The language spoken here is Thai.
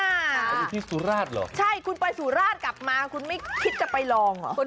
อันนี้ที่สุราชเหรอใช่คุณไปสุราชกลับมาคุณไม่คิดจะไปลองเหรอ